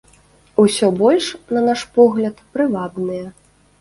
Усё больш, на наш погляд, прывабныя.